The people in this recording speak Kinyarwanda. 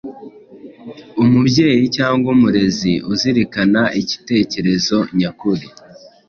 Umubyeyi cyangwa umurezi uzirikana icyitegererezo nyakuri